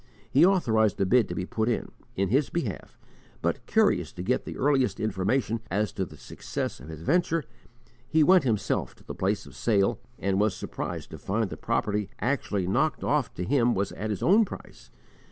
He authorized a bid to be put in, in his behalf, but, curious to get the earliest information as to the success of his venture, he went himself to the place of sale, and was surprised to find the property actually knocked off to him at his own price.